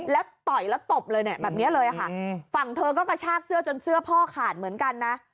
แล้วต่อยแล้วตบเลยเนี่ยแบบนี้เลยค่ะฝั่งเธอก็กระชากเสื้อจนเสื้อพ่อขาดเหมือนกันนะ